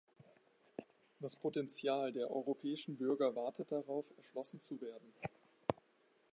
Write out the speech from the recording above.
Das Potenzial der europäischen Bürger wartet darauf, erschlossen zu werden.